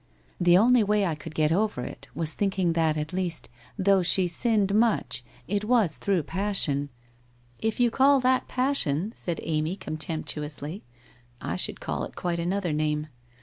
The only way I could get over it was thinking that at least, though she sinned much, it was through passion '* If you call that passion !' said Amy contemptuously, ' I should call it by quite another name.